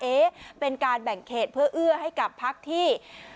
เป็นการแบ่งเขตเพื่อเอื้อให้กับพักที่